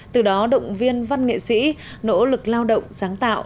từ đó động viên văn nghệ sĩ nỗ lực lao động sáng tạo